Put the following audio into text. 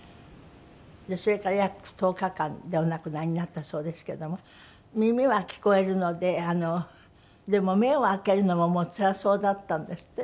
でそれから約１０日間でお亡くなりになったそうですけども耳は聞こえるのであのでも目を開けるのももうつらそうだったんですって？